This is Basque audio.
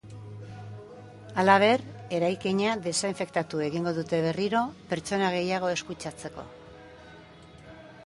Halaber, eraikina desinfektatu egingo dute berriro, pertsona gehiago ez kutsatzeko.